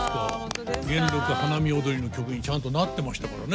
「元禄花見踊」の曲にちゃんとなってましたからね。